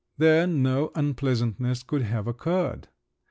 There no unpleasantness could have occurred!